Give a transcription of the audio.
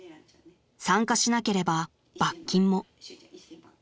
［参加しなければ罰金も］